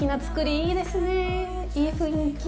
いい雰囲気。